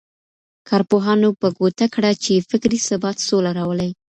کارپوهانو په ګوته کړه چي فکري ثبات سوله راولي.